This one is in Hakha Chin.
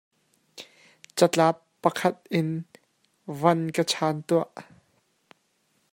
Catlap pakhat in van ka chan tuah!